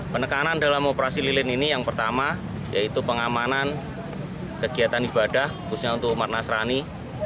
penekanan dalam operasi lilin ini yang pertama yaitu pengamanan kegiatan ibadah khususnya untuk umat nasrani